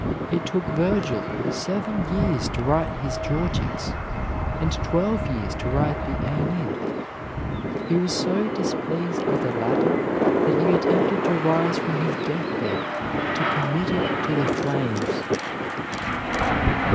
It took Vergil seven years to write his Georgics, and twelve years to write the Aeneid. He was so displeased with the latter that he attempted to rise from his deathbed to commit it to the flames.